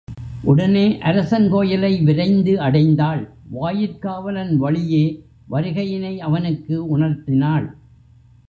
உடனே அரசன் கோயிலை விரைந்து அடைந்தாள், வாயிற்காவலன் வழியே, வருகையினை அவனுக்கு உணர்த்தினாள்.